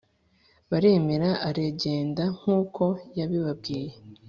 baremera aragenda nkuko yabibabwiye